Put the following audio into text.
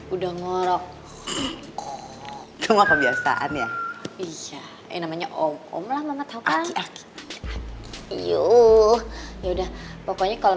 udah ngorok pengumum apa pembiasaan ya iya namanya om lah mama tau enak yuk ya udah pokoknya kalau